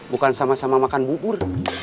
bukan sama sama makan bubur